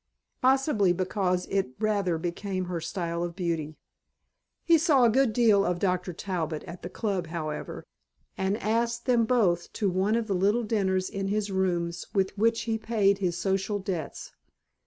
Possibly because it rather became her style of beauty. He saw a good deal of Dr. Talbot at the Club however and asked them both to one of the little dinners in his rooms with which he paid his social debts.